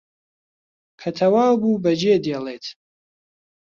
کە تەواو بوو بەجێ دێڵێت